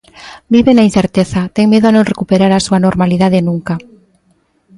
Vive na incerteza, ten medo a non recuperar a súa normalidade nunca.